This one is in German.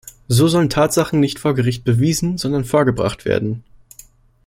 So sollen Tatsachen nicht vor Gericht bewiesen, sondern vorgebracht werden.